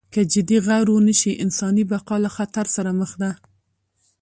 که جدي غور ونشي انساني بقا له خطر سره مخ ده.